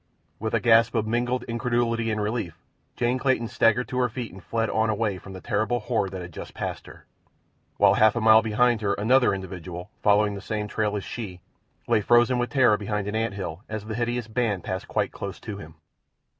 With a gasp of mingled incredulity and relief Jane Clayton staggered to her feet and fled on away from the terrible horde that had just passed her, while a half mile behind her another individual, following the same trail as she, lay frozen with terror behind an ant hill as the hideous band passed quite close to him.